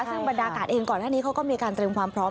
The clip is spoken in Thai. ซึ่งบรรดากาศเองก่อนหน้านี้เขาก็มีการเตรียมความพร้อม